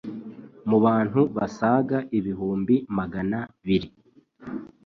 Mu bantu basaga ibihumbi maganabiri